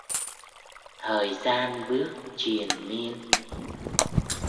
Thời gian bước triền miên